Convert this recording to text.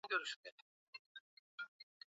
ea mpaka uarabuni na kaskani ya afrika